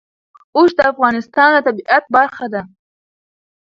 اوښ د افغانستان د طبیعت برخه ده.